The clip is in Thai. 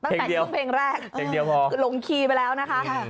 ตั้งแต่ช่วงเพลงแรกลงคีย์ไปแล้วนะคะ